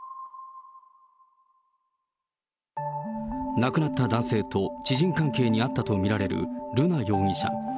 亡くなった男性と知人関係にあったと見られる瑠奈容疑者。